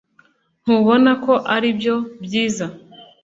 Ntubona ko aribyo byiza?